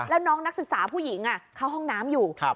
แล้วน้องนักศึกษาผู้หญิงเข้าห้องน้ำอยู่